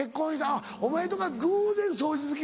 あっお前のとこは偶然掃除好き